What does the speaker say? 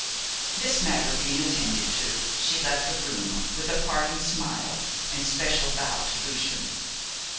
This matter being attended to, she left the room, with a parting smile and especial bow to Lucian.